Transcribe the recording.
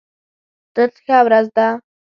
نن ښه ورځ ده